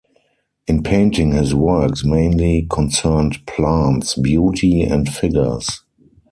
In painting his works mainly concerned plants, beauty, and figures.